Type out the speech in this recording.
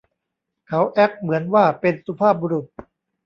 เขาแอ็คเหมือนว่าเป็นสุภาพบุรุษ